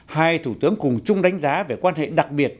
hai thủ tướng cùng chung đánh giá về quan hệ đặc biệt